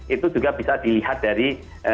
itu juga bisa dilihat dari